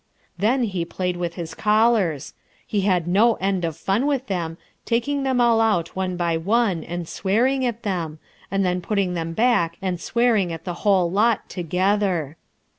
Then he played with his collars. He had no end of fun with them, taking them all out one by one and swearing at them, and then putting them back and swearing at the whole lot together.